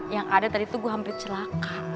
yang ada tadi tuh gue hampir celaka